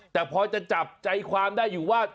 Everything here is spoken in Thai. แต่พอจะจับใจความได้อยู่ว่า